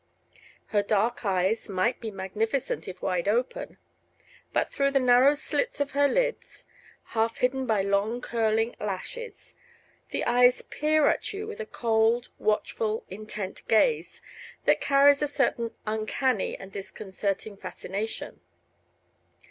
Her dark eyes might be magnificent if wide open: but through the narrow slits of their lids, half hidden by long curling lashes, the eyes peer at you with a cold, watchful, intent gaze that carries a certain uncanny and disconcerting fascination.